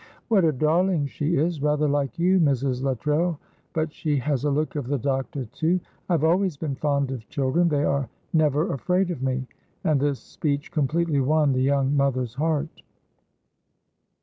"What a darling she is rather like you, Mrs. Luttrell, but she has a look of the doctor too. I have always been fond of children, they are never afraid of me," and this speech completely won the young mother's heart.